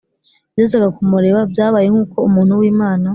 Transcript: yazaga kumureba . Byabaye nk’ uko umuntu w’Imana